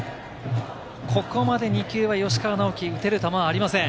ここまで２球は吉川尚輝、打てる球はありません。